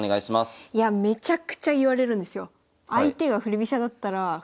めちゃくちゃ言われるんですよ。